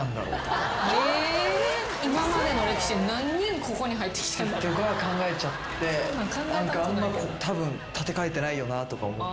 今までの歴史何人ここに入ってきた。とか考えちゃってたぶん建て替えてないよなとか。